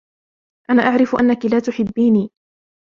انا اعرف انك لا تحبيني